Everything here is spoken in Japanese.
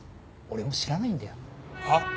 はっ？